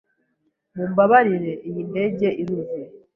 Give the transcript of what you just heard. Mumbabarire, iyi ndege iruzuye.